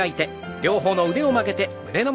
両方の腕を曲げて胸の前。